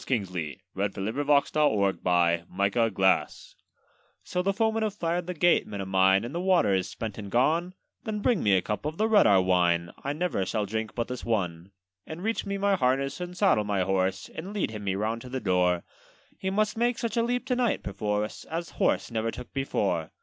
Eversley, 1862. THE KNIGHT'S LEAP: A LEGEND OF ALTENAHR 'So the foemen have fired the gate, men of mine; And the water is spent and gone? Then bring me a cup of the red Ahr wine: I never shall drink but this one. 'And reach me my harness, and saddle my horse, And lead him me round to the door: He must take such a leap to night perforce, As horse never took before.